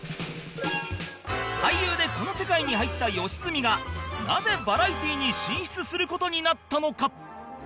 俳優でこの世界に入った良純がなぜバラエティに進出する事になったのか